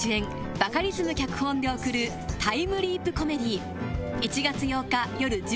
バカリズム脚本で送るタイムリープコメディー